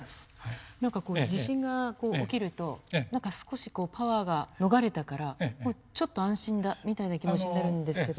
何かこう地震が起きると何か少しパワーが逃れたからちょっと安心だみたいな気持ちになるんですけど。